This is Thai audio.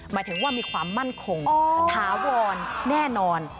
หมายถึงว่ามีความมั่นคงถาวรแน่นอน